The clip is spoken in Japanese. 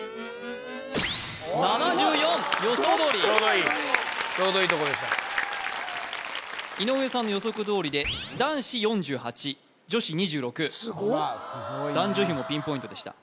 ７４！予想どおりちょうどいいちょうどいいとこでした井上さんの予測どおりで男子４８女子２６男女比もピンポイントでした